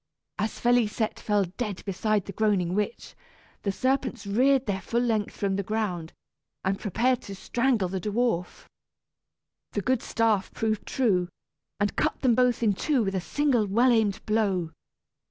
As Félisette fell dead beside the groaning witch, the serpents reared their full length from the ground, and prepared to strangle the dwarf. The good staff proved true, and cut them both in two with a single well aimed blow.